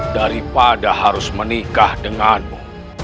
daripada harus menikah denganmu